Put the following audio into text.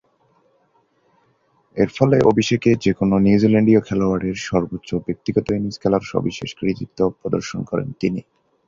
এর ফলে অভিষেকে যে-কোনো নিউজিল্যান্ডীয় খেলোয়াড়ের সর্বোচ্চ ব্যক্তিগত ইনিংস খেলার সবিশেষ কৃতিত্ব প্রদর্শন করেন তিনি।